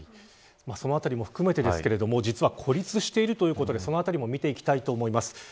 そのあたりも含めてですが実は孤立しているということでそのあたりも見ていきたいと思います。